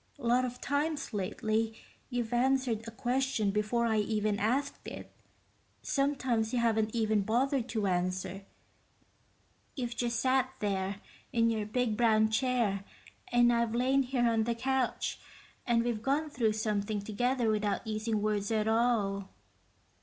Lot of times, lately, you've answered a question before I even asked it. Sometimes you haven't even bothered to answer you've just sat there in your big brown chair and I've lain here on the couch, and we've gone through something together without using words at all...."